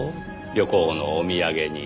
旅行のお土産に。